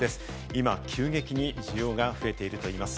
今、急激に需要が増えているといいます。